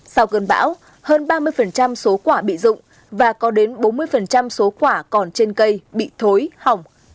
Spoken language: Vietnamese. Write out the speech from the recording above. sau cơn bão hơn ba mươi số quả bị dụng và có đến bốn mươi số quả còn trên cây bị thối hỏng